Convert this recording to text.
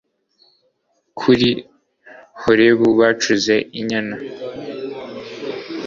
kuri horebu bacuze inyana